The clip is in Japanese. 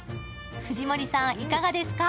藤森さん、いかがですか？